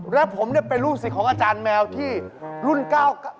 แล้วผมเนี่ยเป็นลูกศิษย์ของอาจารย์แมวที่รุ่นเก้า